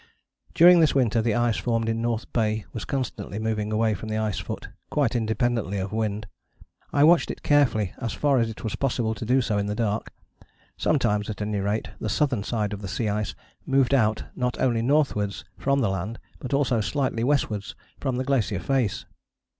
During this winter the ice formed in North Bay was constantly moving away from the ice foot, quite independently of wind. I watched it carefully as far as it was possible to do so in the dark. Sometimes at any rate the southern side of the sea ice moved out not only northwards from the land, but also slightly westwards from the glacier face.